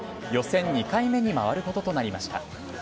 予選２回目に回ることとなりました。